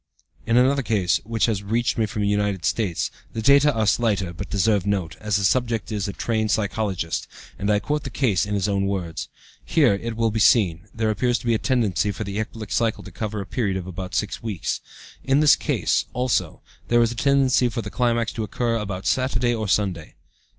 48 21 24 35 28 26 27 In another case which has reached me from the United States, the data are slighter, but deserve note, as the subject is a trained psychologist, and I quote the case in his own words. Here, it will be seen, there appears to be a tendency for the ecbolic cycle to cover a period of about six weeks. In this case, also, there is a tendency for the climax to occur about Saturday or Sunday.